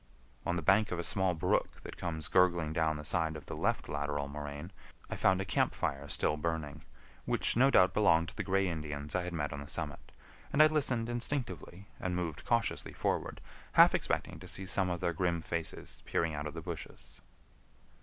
On the bank of a small brook that comes gurgling down the side of the left lateral moraine, I found a camp fire still burning, which no doubt belonged to the gray Indians I had met on the summit, and I listened instinctively and moved cautiously forward, half expecting to see some of their grim faces peering out of the bushes.